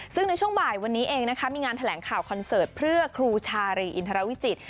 ซึ่งในช่วงบ่ายวันนี้เองนะคะมีงานแถลงข่าวคอนเสิร์ตเพื่อครูชารีอินทรวิจิตร